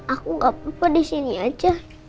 aku gak apa apa di sini aja